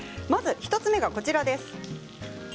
まず１つ目がこちらです。